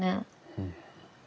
うん。